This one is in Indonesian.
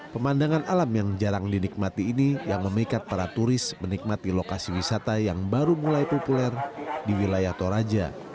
pemandangan alam yang jarang dinikmati ini yang memikat para turis menikmati lokasi wisata yang baru mulai populer di wilayah toraja